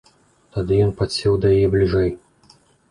Тады ён падсеў да яе бліжэй.